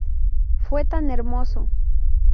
Fue tan hermoso.